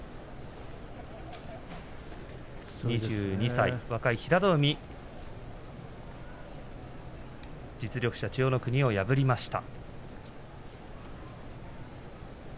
２２歳、若い平戸海実力者の千代の国を破りました。